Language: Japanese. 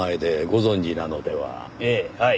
ええはい。